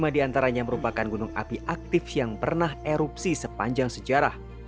lima diantaranya merupakan gunung api aktif yang pernah erupsi sepanjang sejarah